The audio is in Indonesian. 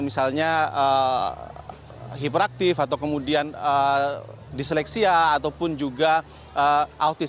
misalnya hiperaktif atau kemudian diseleksia ataupun juga autis